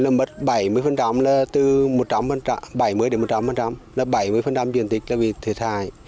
mất bảy mươi là từ bảy mươi đến một trăm linh là bảy mươi diện tích là vì thể thai